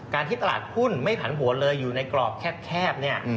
ที่ตลาดหุ้นไม่ผันผวนเลยอยู่ในกรอบแคบเนี่ย